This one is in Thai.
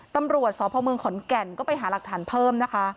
ตำรวจสขแก่นก็ไปหารักฐานเพิ่มนะคะ